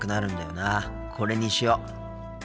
これにしよう。